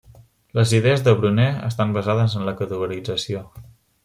Les idees de Bruner estan basades en la categorització.